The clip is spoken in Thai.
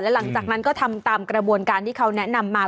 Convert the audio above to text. หลังจากนั้นก็ทำตามกระบวนการที่เขาแนะนำมา